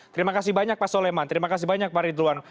terima kasih banyak pak soleman terima kasih banyak pak ridwan